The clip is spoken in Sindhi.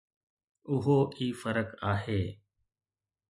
اهو ئي فرق آهي.